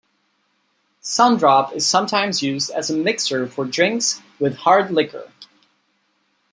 Sun Drop is sometimes used as a mixer for drinks with hard liquor.